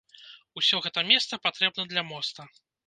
Усё гэта месца патрэбна для моста.